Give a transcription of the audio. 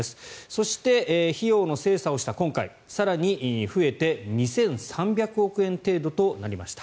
そして、費用の精査をした今回更に増えて２３００億円程度となりました。